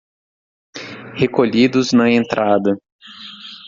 Recolhidos na entrada